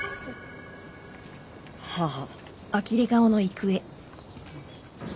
はあ。